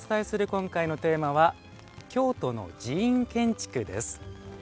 今回のテーマは「京都の寺院建築」です。